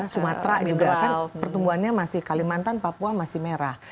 sumatera juga kan pertumbuhannya masih kalimantan papua masih merah